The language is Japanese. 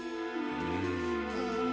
うん。